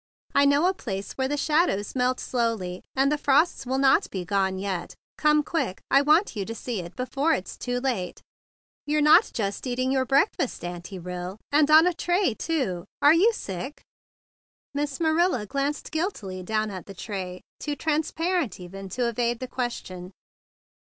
I know a place where the shadows melt slowly, and the frost will not be gone yet. Come quick! I want you to see it be 91 92 THE BIG BLUE SOLDIER fore it's too late. You're not just eat¬ ing your breakfast, Auntie Rill! And on a tray, too! Are you sick?" Miss Marilla glanced guiltily down at the tray, too transparent even to evade the question.